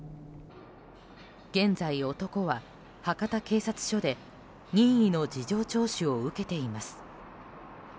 現在、男は博多警察署で任意の事情聴取を受けています。